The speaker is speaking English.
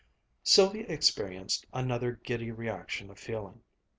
Sylvia experienced another giddy reaction of feeling.